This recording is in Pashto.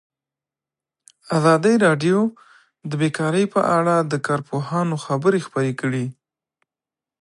ازادي راډیو د بیکاري په اړه د کارپوهانو خبرې خپرې کړي.